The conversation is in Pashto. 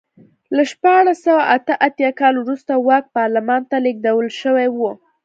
له شپاړس سوه اته اتیا کال وروسته واک پارلمان ته لېږدول شوی و.